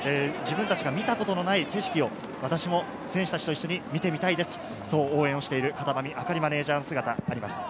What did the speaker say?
見たことのない景色を私も選手達と一緒に見てみたいですと、応援している方波見マネージャーの姿です。